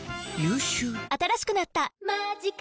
新しくなった「マジカ」